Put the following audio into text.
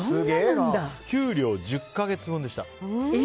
給料１０か月分でした。